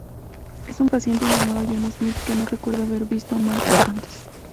Es un paciente llamado John Smith que no recuerda haber visto a Martha antes.